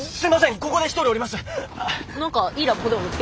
ここで１人降ります。